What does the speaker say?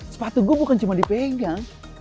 sepatu gue bukan cuma dipegang